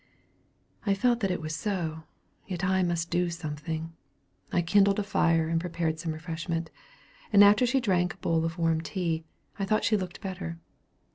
I felt that it was so; yet I must do something. I kindled a fire, and prepared some refreshment; and after she drank a bowl of warm tea, I thought she looked better.